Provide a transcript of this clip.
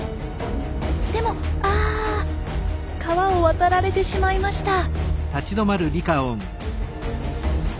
でもあ川を渡られてしまいました。